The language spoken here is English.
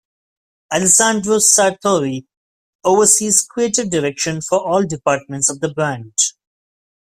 Alessandro Sartori oversees creative direction for all departments of the brand.